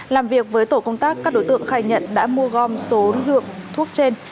làm việc với tổ công tác các đối tượng khai nhận đã mua gom số lượng thuốc trên